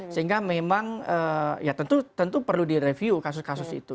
sehingga memang ya tentu perlu direview kasus kasus itu